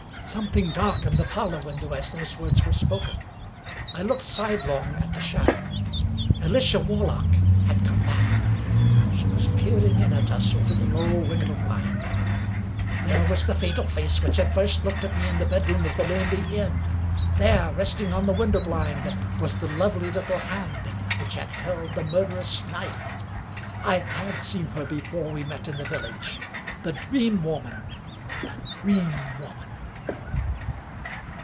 Something darkened the parlor window as those words were spoken. I looked sidelong at the shadow. Alicia Warlock had come back! She was peering in at us over the low window blind. There was the fatal face which had first looked at me in the bedroom of the lonely inn. There, resting on the window blind, was the lovely little hand which had held the murderous knife. I had seen her before we met in the village. The Dream Woman! The Dream Woman!